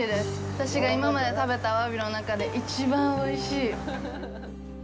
私が今まで食べたアワビの中で一番おいしい。